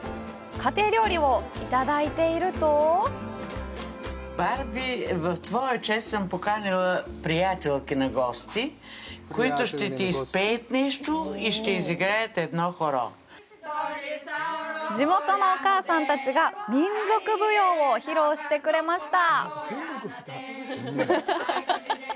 家庭料理をいただいていると地元のお母さんたちが民族舞踊を披露してくれました。